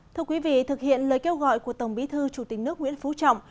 thưa quý vị thực hiện lời kêu gọi của tổng bí thư chủ tịch nước nguyễn phú trọng